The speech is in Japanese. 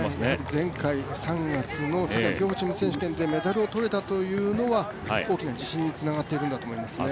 前回、３月の競歩チーム選手権でメダルを取れたというのは大きな自信につながっているんだと思いますね。